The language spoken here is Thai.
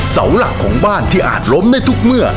เสาหลักของบ้านที่อาจล้มได้ทุกเมื่อ